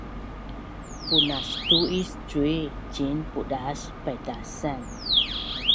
punastu is cui ciin pudas paitasan